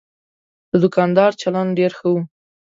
د دوکاندار چلند ډېر ښه و.